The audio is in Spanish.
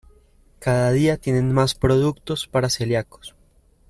Cada día tienen más productos para celíacos.